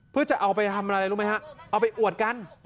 เพื่อจะเอาไปทำอะไรรู้ไหมฮะเอาไปอวดกัน